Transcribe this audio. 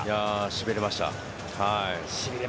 しびれました。